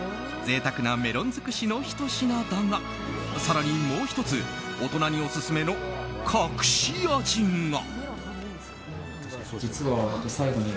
贅沢なメロン尽くしのひと品だが更にもう１つ大人にオススメの隠し味が。